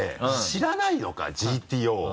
知らないのか「ＧＴＯ」を。